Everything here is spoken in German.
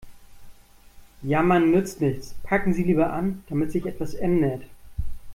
Jammern nützt nichts, packen Sie lieber an, damit sich etwas ändert.